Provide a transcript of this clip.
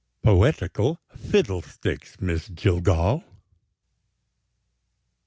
"Poetical fiddlesticks, Miss Jillgall."